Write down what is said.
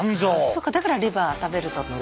そっかだからレバー食べると鉄分。